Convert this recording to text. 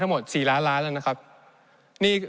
ในช่วงที่สุดในรอบ๑๖ปี